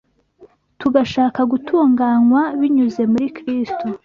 tugashaka gutunganywa binyuze muri Kristo